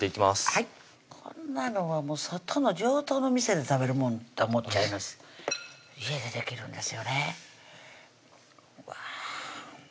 はいこんなのはもう外の上等の店で食べるもんと思っちゃいます家でできるんですよねうわ